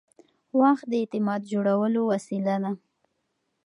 وخت د اعتماد جوړولو وسیله ده.